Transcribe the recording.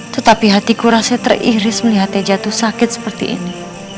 tetapi hatiku rasa teriris melihatnya jatuh sakit seperti ini